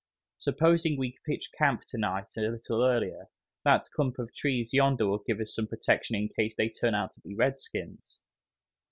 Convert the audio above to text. "Supposing we pitch camp to night a little earlier. That clump of trees yonder will give us some protection in case they turn out to be redskins."